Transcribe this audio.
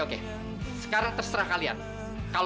aku harus bertindak